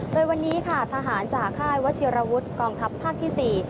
โดยวันนี้ค่ะทหารจากค่ายวัชิรวุฒิกองทัพภาคที่๔